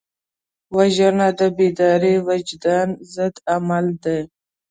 وژنه د بیدار وجدان ضد عمل دی